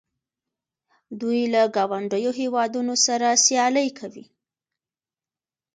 دوی له ګاونډیو هیوادونو سره سیالي کوي.